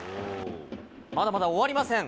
まだまだ終わりません。